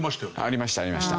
ありましたありました。